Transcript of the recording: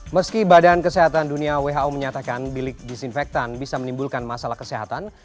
meski badan kesehatan dunia who menyatakan bilik disinfektan bisa menimbulkan masalah kesehatan